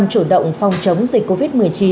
chủ động phòng chống dịch covid một mươi chín